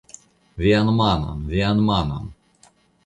Vian manon, vian manon!